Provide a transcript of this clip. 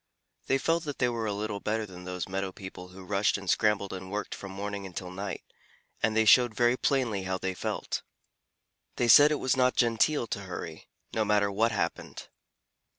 They felt that they were a little better than those meadow people who rushed and scrambled and worked from morning until night, and they showed very plainly how they felt. They said it was not genteel to hurry, no matter what happened.